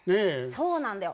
そうなんだよ。